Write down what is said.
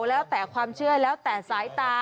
แล้วแต่ความเชื่อแล้วแต่สายตา